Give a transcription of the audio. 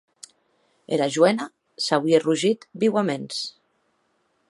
Era joena s’auie rogit viuaments.